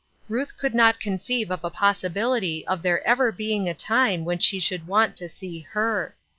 Ruth could not conceive of a possibility of there ever being a time when she should want to see her.